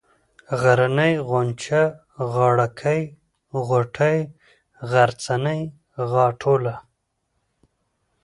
غرنۍ ، غونچه ، غاړه كۍ ، غوټۍ ، غرڅنۍ ، غاټوله